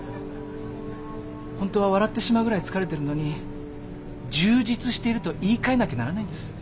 本当は笑ってしまうぐらい疲れてるのに充実していると言いかえなきゃならないんです。